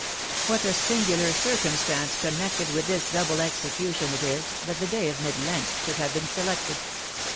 "What a singular circumstance connected with this double execution it is that the day of mid Lent should have been selected.